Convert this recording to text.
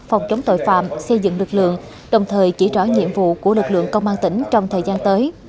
phòng chống tội phạm xây dựng lực lượng đồng thời chỉ rõ nhiệm vụ của lực lượng công an tỉnh trong thời gian tới